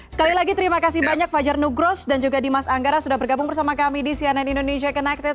sekali lagi terima kasih banyak fajar nugros dan juga dimas anggara sudah bergabung bersama kami di cnn indonesia connected